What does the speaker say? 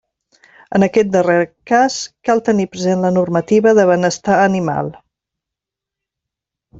En aquest darrer cas, cal tenir present la normativa de benestar animal.